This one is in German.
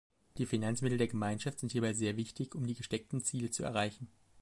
Die Finanzmittel der Gemeinschaft sind hierbei sehr wichtig, um die gesteckten Ziele zu erreichen.